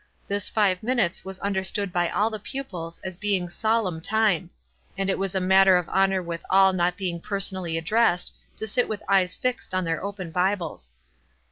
This five minutes was understood by all the pupils as being sol emn time ; and it was a matter of honor with all not being personally addressed to sit with eyes fixed on their open Bibles.